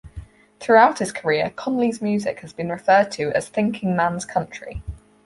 Throughout his career, Conley's music has been referred to as thinking man's country.